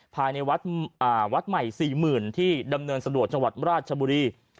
ภายในวัดใหม่๔๐๐๐ที่ดำเนินสะดวกจังหวัดราชบุรี